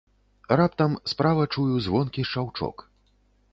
Раптам справа чую звонкі шчаўчок.